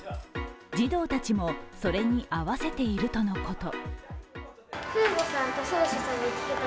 児童たちも、それに合わせているとのこと。